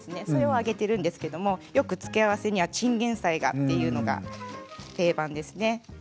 それを揚げているんですけれどもよく付け合わせにはちんげん菜というのが定番ですね。